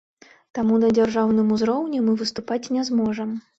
Таму на дзяржаўным узроўні мы выступаць не зможам.